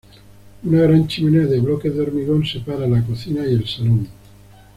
Una gran chimenea de bloques de hormigón separa la cocina y el salón.